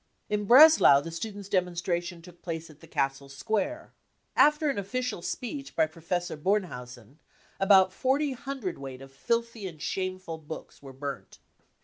" In Breslau the students 3 demonstration took place at the castle square. After the ^official speech by Professor Bornhausen about forty hundredweight of filthy and shameful books were burnt.